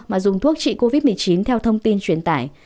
mà dùng thuốc trị covid một mươi chín theo thông tin truyền tải